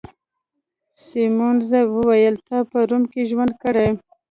سیمونز وویل: تا په روم کي ژوند کړی؟